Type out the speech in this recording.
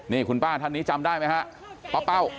นี่คุณป้าท่านนี้จำได้ไหมฮะป้าเป้า